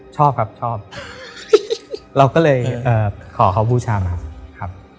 ชอบครับชอบเราก็เลยขอเขาบูชามาครับ